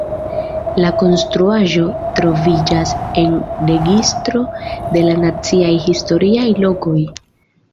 La konstruaĵo troviĝas en registro de la Naciaj Historiaj Lokoj.